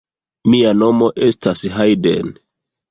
Mia nomo estas Hajden.